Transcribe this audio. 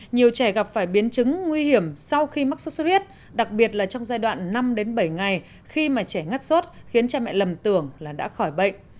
nhiều trẻ gặp phải biến chứng nguy hiểm sau khi mắc sốt xuất huyết đặc biệt là trong giai đoạn năm bảy ngày khi mà trẻ ngất sốt khiến cha mẹ lầm tưởng là đã khỏi bệnh